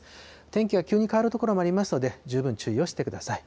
天気が急に変わる所もありますので、十分注意をしてください。